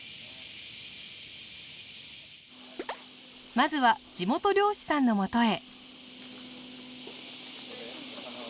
まずは地元漁師さんのもとへ。